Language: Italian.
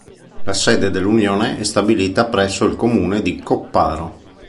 La sede dell'Unione è stabilita presso il Comune di Copparo.